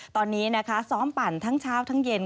ตอนนี้นะคะซ้อมปั่นทั้งเช้าทั้งเย็น